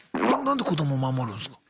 何で子ども守るんすか？